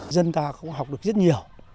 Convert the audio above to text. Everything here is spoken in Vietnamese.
dân ta cũng học được rất nhiều